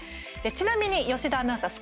ちなみに吉田アナウンサー